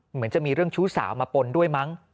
เหมือนจะมีเรื่องชู้สาวมาปนด้วยมั้ง